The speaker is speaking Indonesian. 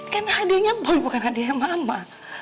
kan hadiahnya boy bukan hadiahnya mama